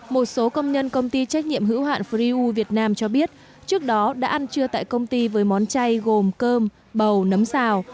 một số công nhân công ty trách nhiệm hữu hạn freew việt nam cho biết trước đó đã ăn trưa tại công ty với món chay gồm cơm bầu nấm xào